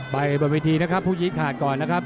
บนเวทีนะครับผู้ชี้ขาดก่อนนะครับ